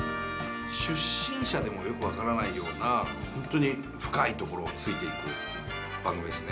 出身者でもよく分からないような本当に深いところを突いていく番組ですね。